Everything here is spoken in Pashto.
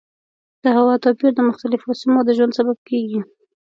د هوا توپیر د مختلفو سیمو د ژوند سبب کېږي.